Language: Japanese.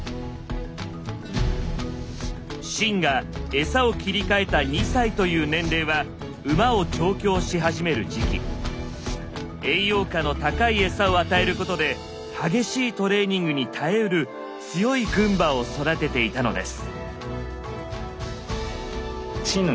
秦が餌を切り替えた２歳という年齢は栄養価の高い餌を与えることで激しいトレーニングに耐えうる強い軍馬を育てていたのです。